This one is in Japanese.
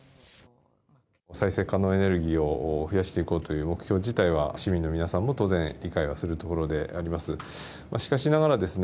再生可能エネルギーを増やしていこうという目標自体は市民の皆さんも当然理解はするところであります。